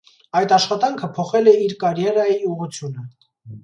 Այդ աշխատանքը փոխել է իր կարիերայի ուղղությունը։